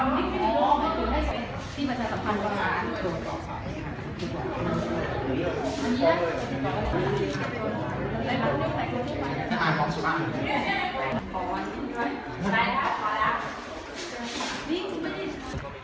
มีเงินชับเว้ยมีเงินชับเว้ย